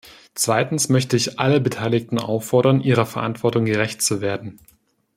Zweitens möchte ich alle Beteiligten auffordern, ihrer Verantwortung gerecht zu werden.